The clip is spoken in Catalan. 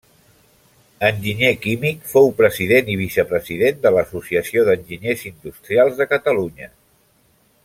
Enginyer químic, fou president i vicepresident de l'Associació d'Enginyers Industrials de Catalunya.